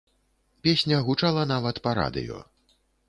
Песня гучала нават па радыё.